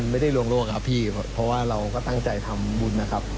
มันไม่ได้ลวงโลกครับพี่เพราะว่าเราก็ตั้งใจทำบุญนะครับ